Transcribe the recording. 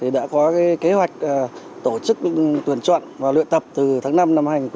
đã có kế hoạch tổ chức tuyển chọn và luyện tập từ tháng năm năm hai nghìn hai mươi